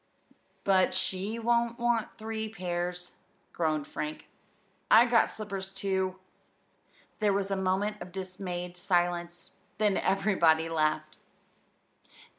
"But she won't want three pairs," groaned Frank; "and I got slippers too!" There was a moment of dismayed silence, then everybody laughed.